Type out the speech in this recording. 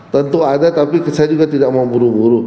tentu ada tapi saya juga tidak mau buru buru